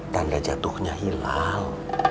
tanda jatuhnya hilal